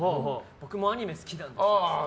僕もアニメ好きなんですって。